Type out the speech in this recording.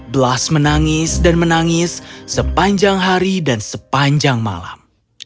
blas menangis dan menangis sepanjang hari dan sepanjang malam